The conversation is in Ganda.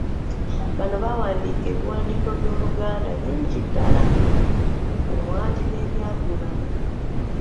Bano baawandiika ebiwandiiko by’Oluganda bingi ddala omwali n'ebya ggulama.